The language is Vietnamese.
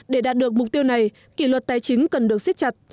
để đạt được mục tiêu này kỷ luật tài chính cần được siết chặt